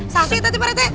sasyik tadi pak rete